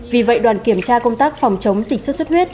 vì vậy đoàn kiểm tra công tác phòng chống dịch xuất xuất huyết